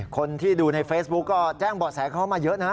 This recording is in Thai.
คนที่ดูในเฟซบุ๊กก็แจ้งเบาะแสเข้ามาเยอะนะ